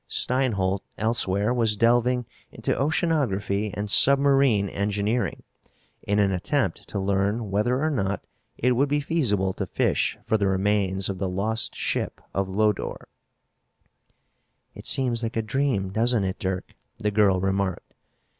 Steinholt, elsewhere, was delving into oceanography and submarine engineering, in an attempt to learn whether or not it would be feasible to fish for the remains of the lost ship of Lodore. "It seems like a dream, doesn't it, Dirk?" the girl remarked.